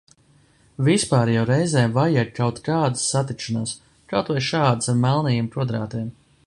Vispār jau reizēm vajag kaut kādas satikšanās, kaut vai šādas ar melnajiem kvadrātiem.